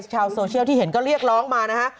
ชาวโซเชียลที่เห็นก็เรียกร้องมานะฮะ